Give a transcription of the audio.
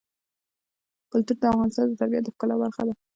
کلتور د افغانستان د طبیعت د ښکلا برخه ده.